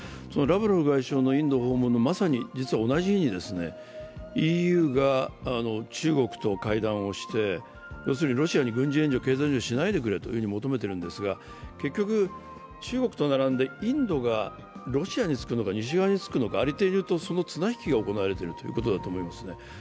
つまり、ラブロフ外相のインド訪問と、まさに同じ日にＥＵが中国と会談をして、要するにロシアに軍事援助、経済援助をしないでくれと求めているんですが、結局、中国と並んでインドがロシアにつくのか西側につくのか、ありていに言うとその綱引きが行われているということだと思いますね。